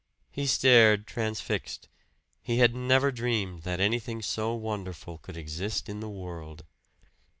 He stared transfixed; he had never dreamed that anything so wonderful could exist in the world.